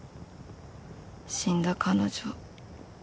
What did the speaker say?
死んだ彼女。